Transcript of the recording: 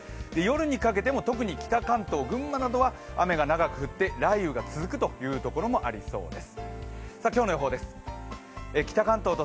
夜にかけても特に北関東群馬などは雨が長く降って雷雨が続くところもありそうです。